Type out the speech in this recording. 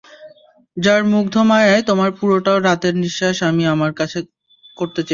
যার মুগ্ধ মায়ায় তোমার পুরোটা রাতের নিশ্বাস আমি আমার করতে চাচ্ছিলাম।